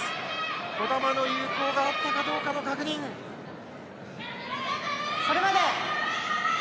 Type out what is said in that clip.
児玉の有効があったかどうかの確認です。